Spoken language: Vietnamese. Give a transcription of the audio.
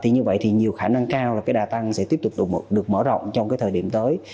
như vậy nhiều khả năng cao là đà tăng sẽ tiếp tục được mở rộng trong thời điểm tới